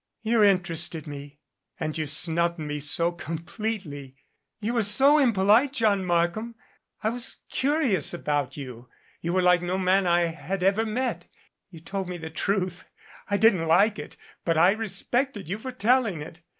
"You interested me and you snubbed me so com pletely. You were so impolite, John Markham. I was curious about you. You were like no man I had ever met. You told me the truth. I didn't like it, but I respected you for telling it.